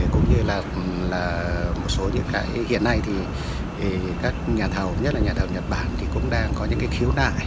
cũng như là một số những cái hiện nay thì các nhà thầu nhất là nhà thầu nhật bản thì cũng đang có những cái khiếu nại